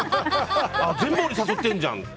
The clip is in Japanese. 全部、俺誘ってるじゃん。